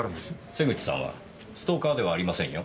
瀬口さんはストーカーではありませんよ。